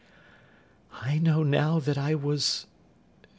"I know now that I was